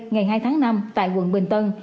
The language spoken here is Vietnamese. ngày hai tháng năm tại quận bình tân